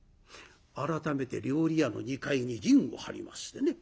改めて料理屋の２階に陣を張りましてね。